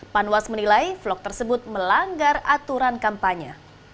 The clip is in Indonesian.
panwas menilai vlog tersebut melanggar aturan kampanye